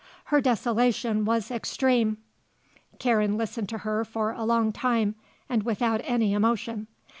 Her desolation was extreme. Karen listened to her for a long time, and without any emotion.